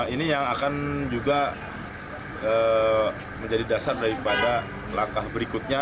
ini yang akan juga menjadi dasar daripada langkah berikutnya